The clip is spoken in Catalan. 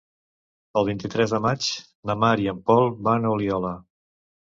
El vint-i-tres de maig na Mar i en Pol van a Oliola.